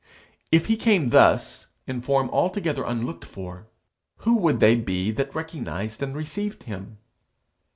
If he came thus, in form altogether unlooked for, who would they be that recognized and received him?